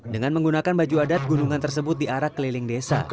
dengan menggunakan baju adat gunungan tersebut diarak keliling desa